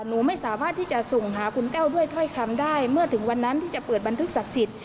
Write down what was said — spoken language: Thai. หนูไม่สามารถที่จะส่งหาคุณแต้วด้วยถ้อยคำได้เมื่อถึงวันนั้นที่จะเปิดบันทึกศักดิ์สิทธิ